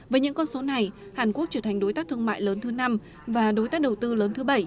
với những con số này hàn quốc trở thành đối tác thương mại lớn thứ năm và đối tác đầu tư lớn thứ bảy